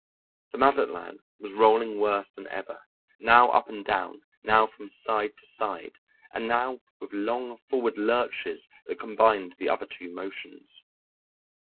The Mazatlan was rolling worse than ever, now up and down, now from side to side, and now with long forward lurches that combined the other two motions.